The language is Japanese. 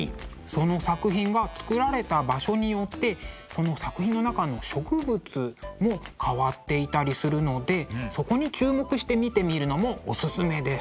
その作品が作られた場所によってその作品の中の植物も変わっていたりするのでそこに注目して見てみるのもおすすめです。